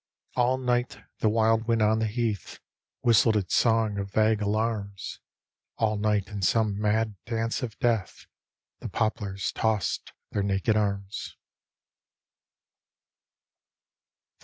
All night the wild wind on the heath Whistled its song of vague alarms; All night in some mad dance of death The poplars tossed their naked arms.